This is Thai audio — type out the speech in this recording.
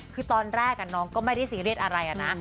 คือตอนแรกน้องก็ไม่ได้ซีเรียสอะไรนะ